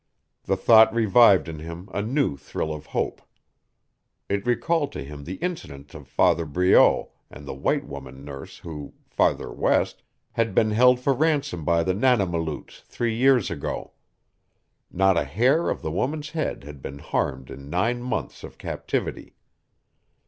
The thought revived in him a new thrill of hope. It recalled to him the incident of Father Breault and the white woman nurse who, farther west, had been held for ransom by the Nanamalutes three years ago. Not a hair of the woman's head had been harmed in nine months of captivity.